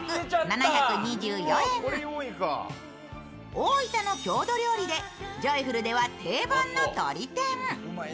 大分の郷土料理でジョイフルでは定番のとり天。